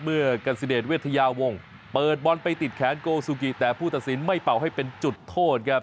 กัสซิเดชเวทยาวงเปิดบอลไปติดแขนโกซูกิแต่ผู้ตัดสินไม่เป่าให้เป็นจุดโทษครับ